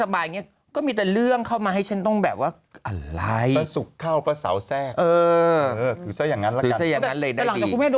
ผมเพื่อเลยไม่ค่อยรู้เรื่องนี้